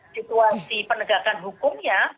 situasi penegakan hukumnya